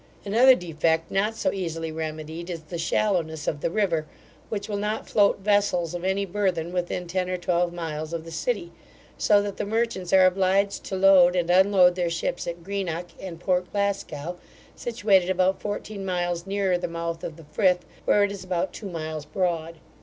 Another defect, not so easily remedied, is the shallowness of the river, which will not float vessels of any burthen within ten or twelve miles of the city; so that the merchants are obliged to load and unload their ships at Greenock and Port Glasgow, situated about fourteen miles nearer the mouth of the Frith, where it is about two miles broad.